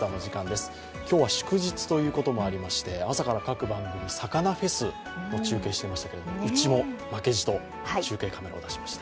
今日は祝日ということもありまして、朝から各番組魚フェスの中継してましたけれどもうちも負けじと中継のカメラを出しまして。